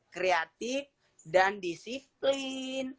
kreatif dan disiplin